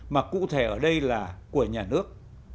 mà cụ thể ở đây là của nhà nước